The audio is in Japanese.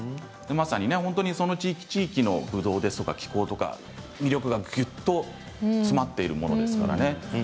まさに地域、地域のぶどうですとか気候とかぎゅっと詰まっているものですからね。